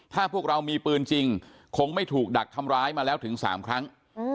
ถ้าพวกเรามีปืนจริงคงไม่ถูกดักทำร้ายมาแล้วถึง๓ครั้ง